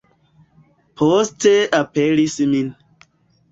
Poste aperis mi.